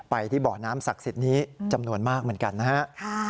ไปที่บ่อน้ำศักดิ์สิทธิ์นี้จำนวนมากเหมือนกันนะฮะ